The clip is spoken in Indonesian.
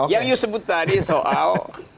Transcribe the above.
yang you sebut tadi soal